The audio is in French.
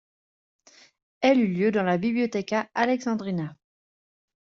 Elle eut lieu dans la Bibliotheca Alexandrina.